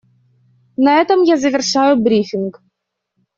На этом я завершаю брифинг.